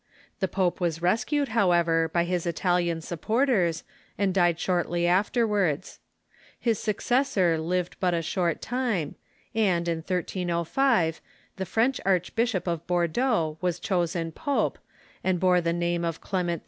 The pope was rescued, however, by his Italian supporters, and died shortly afterwards. His successor lived but a short time, and, in 1305, the French Archbishop of Bordeaux Avas chosen pope, and bore the name of Clement V.